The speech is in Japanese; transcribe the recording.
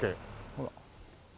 ほら。